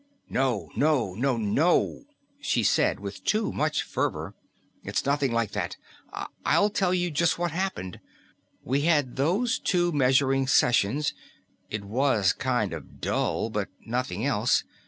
"Oh, no, no, no," she said with too much fervor. "It's nothing like that. I'll tell you just what happened. We had those two measuring sessions; it was kind of dull but nothing else.